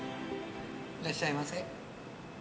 いらっしゃいませ。